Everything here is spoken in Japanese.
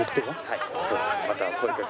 はい。